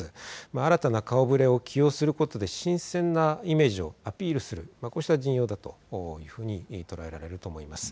新たな顔ぶれを起用することで新鮮なイメージをアピールする、こうした陣容だと捉えられると思います。